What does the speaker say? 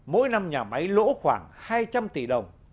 mỗi năm nhà máy lỗ khoảng hai trăm linh tỷ đồng